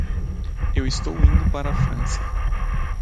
Eu estou indo para a França.